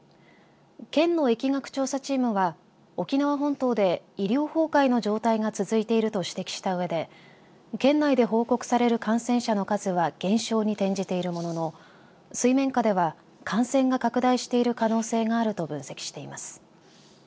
県の疫学調査チームは沖縄本島で、医療崩壊の状態が続いていると指摘したうえで県内で報告される感染者の数は減少に転じているものの水面下では感染が拡大している可能性があると分析しています。